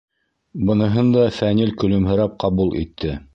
Быныһын да Фәнил көлөмһөрәп ҡабул итте.